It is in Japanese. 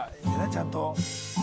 ちゃんと。